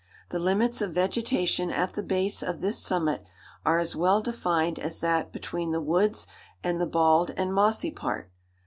The limits of vegetation at the base of this summit are as well defined as that between the woods and the bald and mossy part.